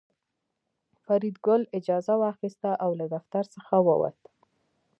فریدګل اجازه واخیسته او له دفتر څخه ووت